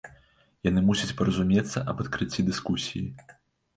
Яны мусяць паразумецца аб адкрыцці дыскусіі.